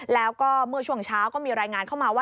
แล้วก็เมื่อช่วงเช้าก็มีรายงานเข้ามาว่า